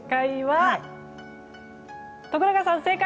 徳永さん正解！